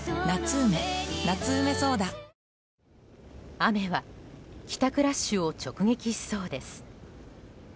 雨は帰宅ラッシュを直撃しそうです。